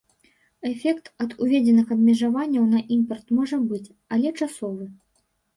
Эфект ад уведзеных абмежаванняў на імпарт можа быць, але часовы.